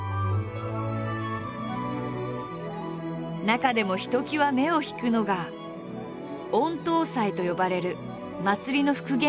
中でもひときわ目を引くのが「御頭祭」と呼ばれる祭りの復元史料だ。